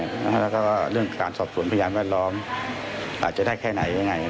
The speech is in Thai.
แล้วก็เรื่องการสอบสวนพยานแวดล้อมอาจจะได้แค่ไหนยังไง